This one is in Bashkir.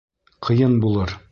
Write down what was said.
Ҡыйын булыр.